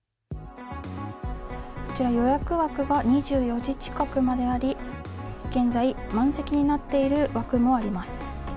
こちら、予約枠が２４時近くまであり、現在、満席になっている枠もありま